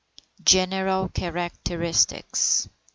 GENERAL CHARACTERISTICS.